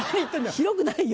広くないよ。